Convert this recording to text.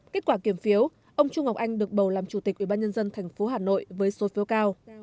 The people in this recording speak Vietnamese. kết quả kiểm phiếu ông trung ngọc anh được bầu làm chủ tịch ủy ban nhân dân thành phố hà nội với số phiếu cao